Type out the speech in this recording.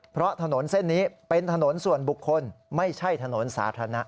เพราะถนนเส้นนี้เป็นถนนส่วนบุคคลไม่ใช่ถนนสาธารณะ